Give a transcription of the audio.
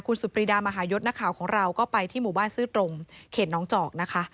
คุณสุดปรีดามหายศนักข่าวของเราก็ไปที่หมู่บ้านซื่อตรงเขตน้องจอกนะคะ